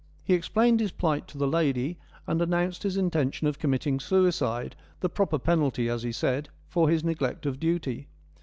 He explained his plight to the lady, and announced his intention of committing suicide, the proper penalty, as he said, for his neglect of duty.